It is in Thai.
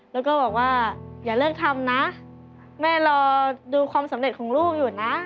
แล้วก็บอกว่าอย่าเลิกทำนะแม่รอดูความสำเร็จของลูกอยู่นะ